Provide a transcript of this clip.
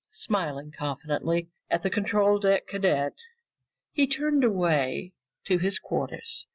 Smiling confidently at the control deck cadet, he turned away to his quarters.